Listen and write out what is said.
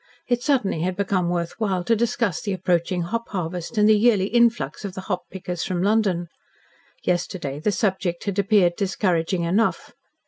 It suddenly had become worth while to discuss the approaching hop harvest and the yearly influx of the hop pickers from London. Yesterday the subject had appeared discouraging enough.